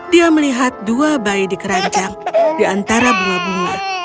dia melihat dua bayi dikeranjang di antara bunga bunga